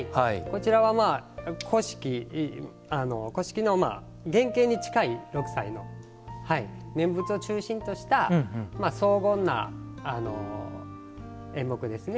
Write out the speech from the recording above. こちらは古式の原形に近い六斎の念仏を中心とした荘厳な演目ですね。